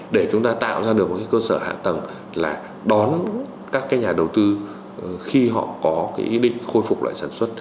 để chúng ta tạo ra được một cái cơ sở hạ tầng là đón các cái nhà đầu tư khi họ có cái ý định khôi phục lại sản xuất